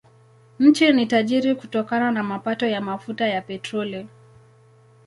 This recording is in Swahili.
Nchi ni tajiri kutokana na mapato ya mafuta ya petroli.